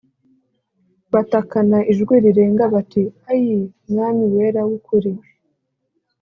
Batakana ijwi rirenga bati “Ayii Mwami wera w’ukuri!